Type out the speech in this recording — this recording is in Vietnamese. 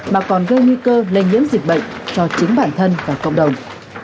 mà còn gây nguy cơ lây nhiễm dịch bệnh cho chính bản thân và cộng đồng